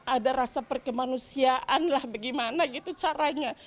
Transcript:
ada rasa perkemanusiaan lah bagaimana gitu caranya